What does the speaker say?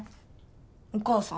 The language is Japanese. お母さん？